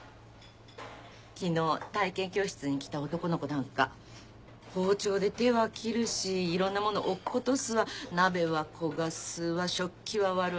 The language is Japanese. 昨日体験教室に来た男の子なんか包丁で手は切るしいろんなもの落っことすわ鍋は焦がすわ食器は割るわ。